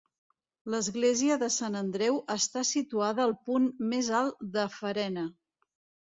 L'església de Sant Andreu està situada al punt més alt de Farena.